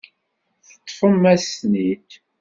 Teṭṭfem-as-ten-id.